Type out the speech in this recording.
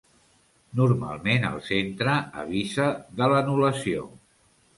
Normalment el centre avisa de l'anul·lació.